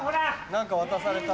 何か渡された。